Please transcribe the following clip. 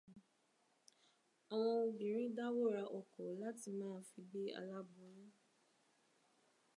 Àwọn obìnrin dáwó ra ọkọ̀ láti máa fi gbé aláboyún.